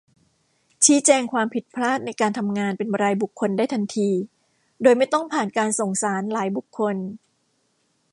ชี้แจงความผิดพลาดในการทำงานเป็นรายบุคคลได้ทันที โดยไม่ต้องผ่านการส่งสารหลายบุคคล